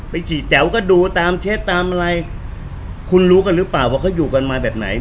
ฉี่แจ๋วก็ดูตามเช็ดตามอะไรคุณรู้กันหรือเปล่าว่าเขาอยู่กันมาแบบไหน